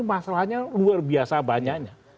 masalahnya luar biasa banyaknya